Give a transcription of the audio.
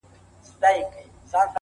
لوبي وې.